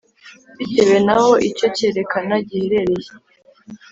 bitewe n’aho icyo kerekana giherereye.